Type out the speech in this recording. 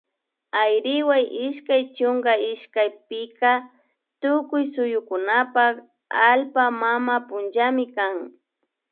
Ayriwa ishkay chunka ishkay pika tukuy suyukunapak allpa mama punllami kan